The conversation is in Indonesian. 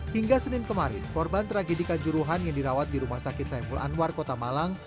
hingga senin kemarin korban tragedikan juruhan yang dirawat di rumah sakit saiful anwar kota malang